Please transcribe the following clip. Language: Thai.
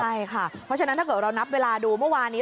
ใช่ค่ะเพราะฉะนั้นถ้าเกิดเรานับเวลาดูเมื่อวานนี้